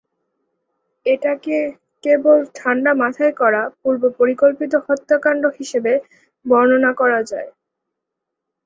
এটাকে কেবল ঠান্ডা মাথায় করা পূর্বপরিকল্পিত হত্যাকাণ্ড হিসেবে বর্ণনা করা যায়।